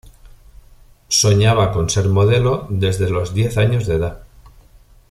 Soñaba con ser modelo desde los diez años de edad.